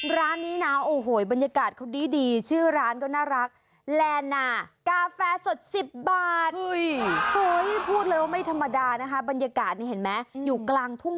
ร้านนี้นะโอ้โหบรรยากาศเขาดีชื่อร้านก็น่ารัก